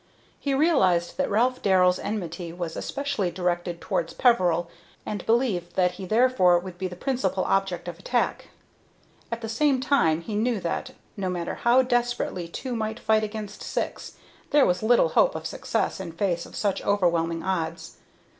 He realized that Ralph Darrell's enmity was especially directed towards Peveril, and believed that he, therefore, would be the principal object of attack. At the same time he knew that, no matter how desperately two might fight against six, there was little hope of success in face of such overwhelming odds.